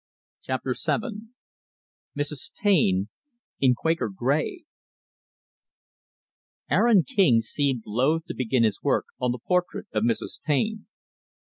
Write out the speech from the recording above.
Chapter VII Mrs. Taine in Quaker Gray Aaron King seemed loth to begin his work on the portrait of Mrs. Taine.